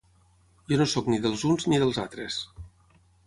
Jo no soc ni dels uns ni dels altres!